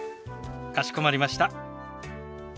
かしこまりました。